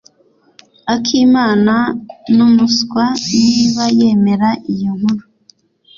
Akimana numuswa niba yemera iyo nkuru.